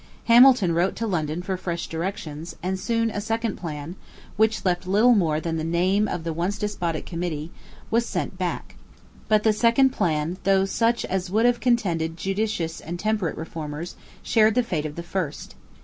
Hamilton wrote to London for fresh directions; and soon a second plan, which left little more than the name of the once despotic Committee, was sent back. But the second plan, though such as would have contented judicious and temperate reformers, shared the fate of the first.